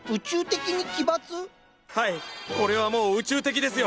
はいこれはもう宇宙的ですよ。